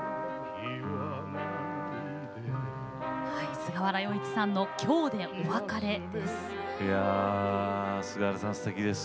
菅原洋一さんの「今日でお別れ」です。